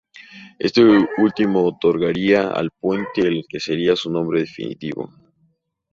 Esto último otorgaría al puente el que sería su nombre definitivo.